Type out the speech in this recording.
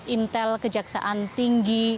intel kejaksaan tinggi